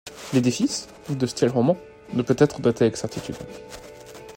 L'édifice, de style roman, ne peut être daté avec certitude.